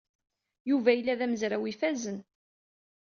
Yuba yella d amezraw ifazen.